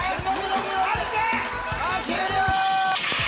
終了！